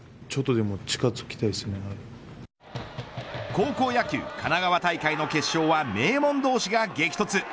高校野球神奈川大会の決勝は名門同士が激突。